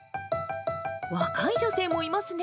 若い女性もいますね。